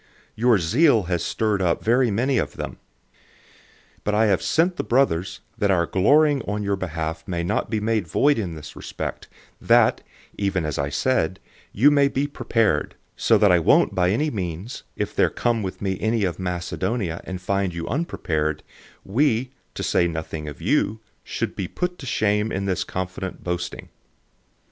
Your zeal has stirred up very many of them. 009:003 But I have sent the brothers that our boasting on your behalf may not be in vain in this respect, that, just as I said, you may be prepared, 009:004 so that I won't by any means, if there come with me any of Macedonia and find you unprepared, we (to say nothing of you) should be disappointed in this confident boasting.